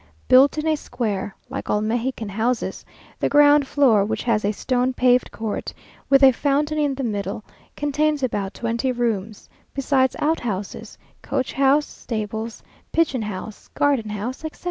Built in a square, like all Mexican houses, the ground floor, which has a stone paved court with a fountain in the middle, contains about twenty rooms, besides outhouses, coach house, stables, pigeon house, garden house, etc.